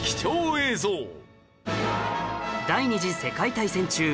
第二次世界大戦中